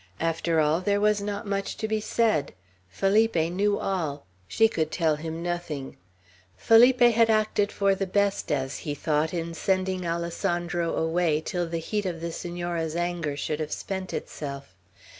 After all, there was not so much to be said. Felipe knew all. She could tell him nothing; Felipe had acted for the best, as he thought, in sending Alessandro away till the heat of the Senora's anger should have spent itself.